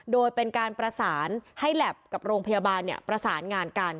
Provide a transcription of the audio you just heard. โดยเป็นการประสานให้แล็บกับโรงพยาบาลประสานงานกัน